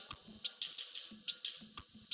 saat muat mendalam